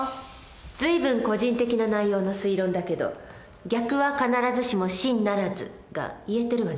随分個人的な内容の推論だけど「逆は必ずしも真ならず」が言えてるわね。